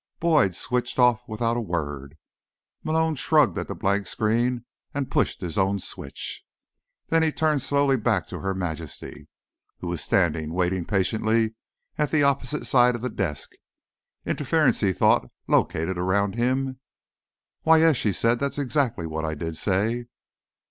Boyd switched off without a word. Malone shrugged at the blank screen and pushed his own switch. Then he turned slowly back to Her Majesty, who was standing, waiting patiently, at the opposite side of the desk. Interference, he thought, located around him.... "Why yes," she said. "That's exactly what I did say."